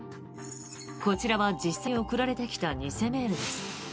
こちらは実際に送られてきた偽メール。